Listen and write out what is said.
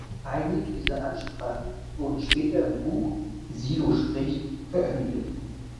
Einige dieser Ansprachen wurden später im Buch "Silo spricht" veröffentlicht.